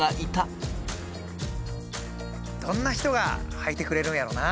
どんな人がはいてくれるんやろうな。